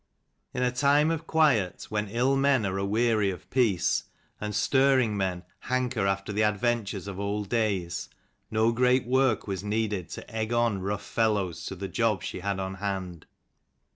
272 In a time of quiet, when ill men are aweary of peace, and stirring men hanker after the adventures of old days, no great work was needed to egg on rough fellows to the job she had on hand.